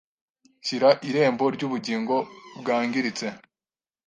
Shyira irembo ryubugingo bwangiritse